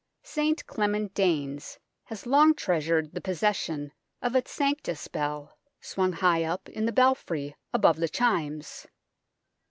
St Clement Danes has long treasured the possession of its Sanctus Bell, swung high up in the belfry above the chimes.